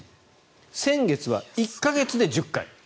先月は１か月で１０回。